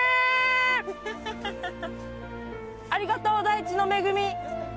ありがとう大地の恵み。